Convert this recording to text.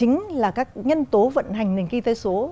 nhân tố vận hành nền kinh tế số